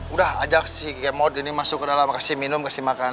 udah ajak si kemot ini masuk ke dalam kasih minum kasih makan